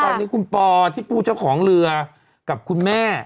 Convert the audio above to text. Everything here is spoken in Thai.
ตอนนี้คุณปอที่ผู้เจ้าของเรือกับคุณแม่